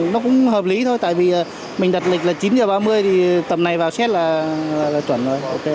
nó cũng hợp lý thôi tại vì mình đặt lịch là chín h ba mươi thì tầm này vào xét là chuẩn rồi